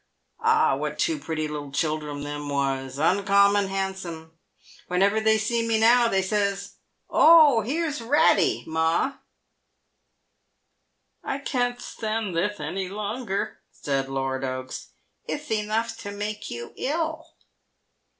Ah, what two pretty little children them was — uncommon handsome. Whenever they see me now, they says, ' Oh, here's Eatty, ma !'':" I can't sthand thith any longer," said Lord Oaks. " Itth enough to make you ill."